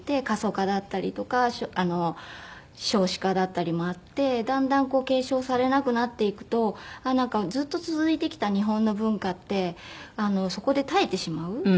過疎化だったりとか少子化だったりもあってだんだん継承されなくなっていくとずっと続いてきた日本の文化ってそこで絶えてしまう。